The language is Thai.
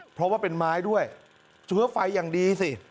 เพราะว่าเป็นไม้ด้วยเชื้อไฟอย่างดีสิ